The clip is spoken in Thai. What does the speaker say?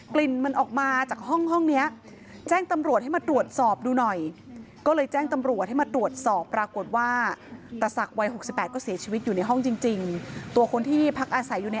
กลิ่นมันออกมาจากห้องนี้แจ้งตำรวจให้มาตรวจสอบดูหน่อย